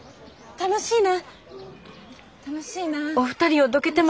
楽しいな。